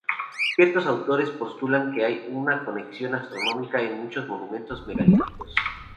Ciertos autores postulan que hay una conexión astronómica en muchos monumentos megalíticos.